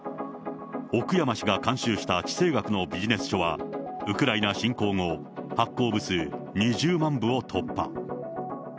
奥山氏が監修した地政学のビジネス書は、ウクライナ侵攻後、発行部数２０万部を突破。